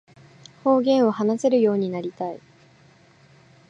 方言を話せるようになりたい